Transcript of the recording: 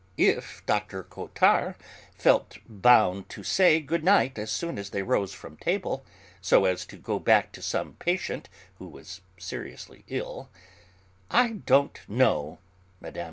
If Dr. Cottard felt bound to say good night as soon as they rose from table, so as to go back to some patient who was seriously ill; "I don't know," Mme.